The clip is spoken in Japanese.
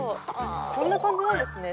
こんな感じなんですね